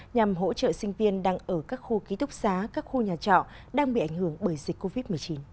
nhằm hỗ trợ sinh viên đang ở các khu ký túc xá các khu nhà trọ đang bị ảnh hưởng bởi dịch covid một mươi chín